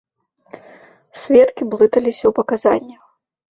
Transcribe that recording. Сведкі блыталіся ў паказаннях.